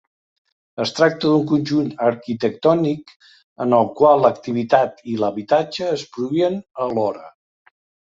Es tracta d'un conjunt arquitectònic en el qual l'activitat i l'habitatge es produïen alhora.